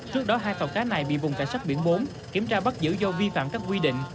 trước đó hai tàu cá này bị vùng cảnh sát biển bốn kiểm tra bắt giữ do vi phạm các quy định